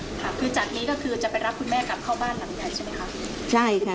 ค่ะคือจากนี้ก็คือจะไปรับคุณแม่กลับเข้าบ้านหลังใหญ่ใช่ไหมคะใช่ค่ะ